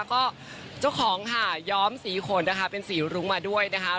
ก็เจ้าของค่ะย้อมสีขนนะคะเป็นสีรุ้งมาด้วยนะคะ